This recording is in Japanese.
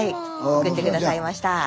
送って下さいました。